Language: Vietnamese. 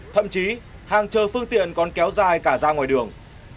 thậm chí hàng chờ phương tiện còn kéo dài cả ra ngoài đường